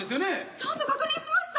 ちゃんと確認しました。